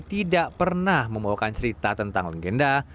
tidak pernah membawakan cerita tentang legenda